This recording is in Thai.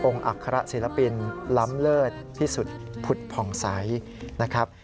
อัคระศิลปินล้ำเลิศที่สุดผุดผ่องใสนะครับ